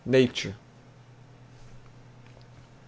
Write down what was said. NATURE. I.